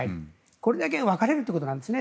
これくらい分かれるということなんです。